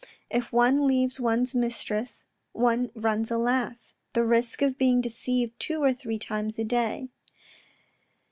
" If one leave one's mistress one runs alas ! the risk of being deceived two or three times a day."